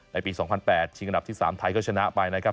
ในปี๒๐๐๘ชิงอันดับที่๓ไทยก็ชนะไปนะครับ